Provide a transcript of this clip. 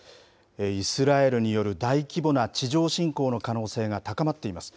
イスラエルによる大規模な地上侵攻の可能性が高まっています。